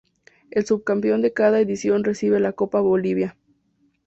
El subcampeón de cada edición recibe la Copa Bolivia.